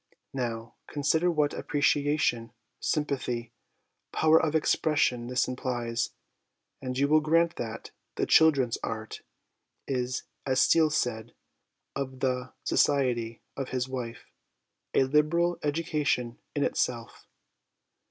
Now, consider what appreciation, sympathy, power of expression this implies, and you will grant that ' The Children's Art ' is, as Steele said of the society of his wife, " a liberal education in itself."